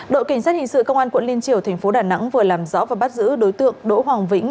đội cảnh sát hình sự công an quận liên triều thành phố đà nẵng vừa làm rõ và bắt giữ đối tượng đỗ hoàng vĩnh